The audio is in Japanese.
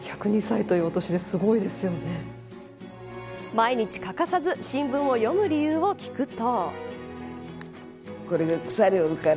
毎日欠かさず新聞を読む理由を聞くと。